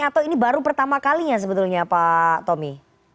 atau ini baru pertama kalinya sebetulnya pak tommy